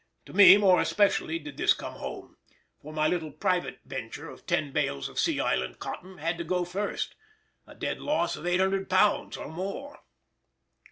To me more especially did this come home, for my little private venture of ten bales of Sea Island cotton had to go first, a dead loss of £800 or more!